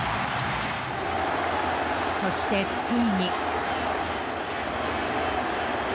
そしてついに。